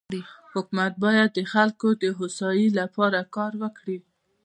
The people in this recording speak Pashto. حکومت بايد د خلکو دهوسايي لپاره کار وکړي.